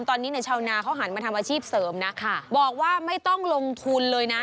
ตอนนี้เนี่ยชาวนาเขาหันมาทำอาชีพเสริมนะบอกว่าไม่ต้องลงทุนเลยนะ